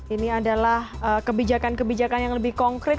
ini adalah kebijakan kebijakan yang lebih konkret